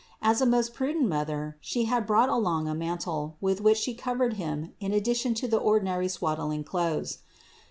As a most prudent Mother She had brought along a mantle, with which She covered Him in addition to the ordinary swaddling clothes.